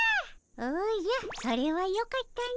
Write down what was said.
おじゃそれはよかったの。